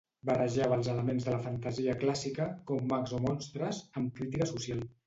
Barrejava els elements de la fantasia clàssica, com mags o monstres, amb crítica social.